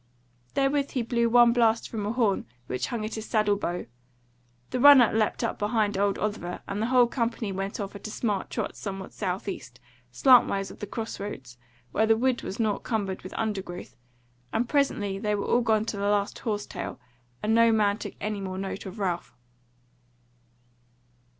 Therewith he blew one blast from a horn which hung at his saddle bow; the runner leapt up behind old Oliver, and the whole company went off at a smart trot somewhat south east, slantwise of the cross roads, where the wood was nought cumbered with undergrowth; and presently they were all gone to the last horse tail, and no man took any more note of Ralph.